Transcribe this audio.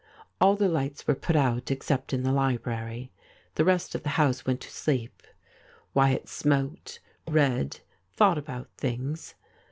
All the lights were put out except in the library ; the rest of the house went to sleep. Wyatt smoked, read, thought about things.